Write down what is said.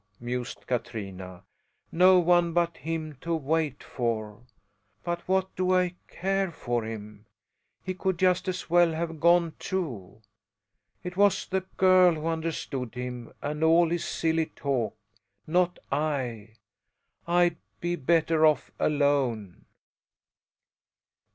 mused Katrina, "no one but him to wait for! But what do I care for him? He could just as well have gone, too. It was the girl who understood him and all his silly talk, not I. I'd be better off alone."